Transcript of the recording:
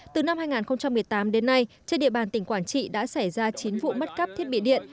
từ năm hai nghìn một mươi tám đến nay trên địa bàn tỉnh quảng trị đã xảy ra chín vụ mất cắp thiết bị điện